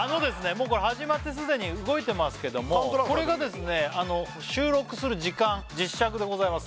もうこれ始まって既に動いてますけどもこれがですね収録する時間実尺でございます